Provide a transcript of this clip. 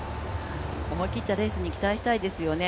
思い切ったレースに期待したいですよね。